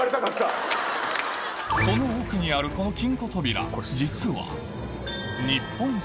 その奥にあるこの金庫扉